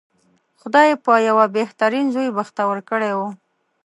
خدای په یوه بهترین زوی بختور کړی و.